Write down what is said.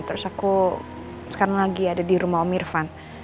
terus aku sekarang lagi ada di rumah om irfan